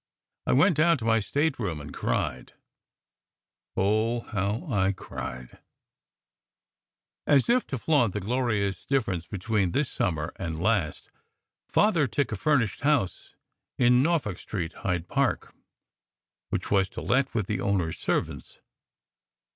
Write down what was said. I went down to my stateroom and cried oh ! how I cried ! As if to flaunt the glorious difference between this summer and last, Father took a furnished house in Norfolk Street, Hyde Park, which was to let with the owner s servants.